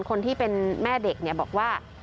คนที่เป็นแม่เด็กบอกว่า